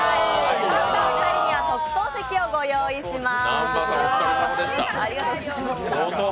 勝ったお二人には特等席をご用意します。